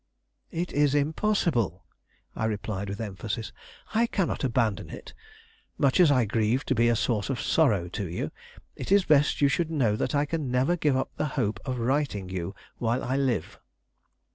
"It is impossible," I replied with emphasis. "I cannot abandon it. Much as I grieve to be a source of sorrow to you, it is best you should know that I can never give up the hope of righting you while I live."